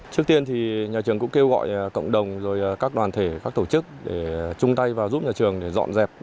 trước tiên thì nhà trường cũng kêu gọi cộng đồng rồi các đoàn thể các tổ chức để chung tay và giúp nhà trường để dọn dẹp